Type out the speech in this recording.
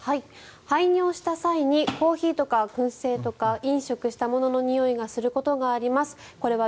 排尿した際にコーヒーとか燻製とか飲食したもののにおいがすることがあります。